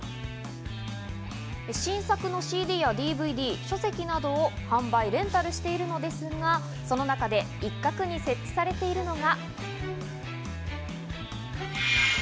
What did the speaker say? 新作のＣＤやＤＶＤ、書籍などを販売レンタルしているのですが、その中で一角に設置されているのが。